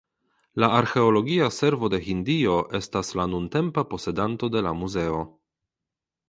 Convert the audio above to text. La arĥeologia servo de Hindio estas la nuntempa posedanto de la muzeo.